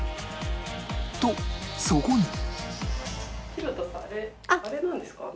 とそこに